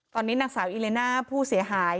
ตอนนี้นางสาวอิเลน่าผู้เสียหาย